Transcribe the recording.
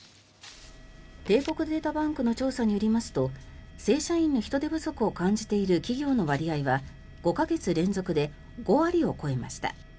帝国データバンクの調査によりますと正社員に人手不足を感じている企業の割合は５か月連続で５割を超えました。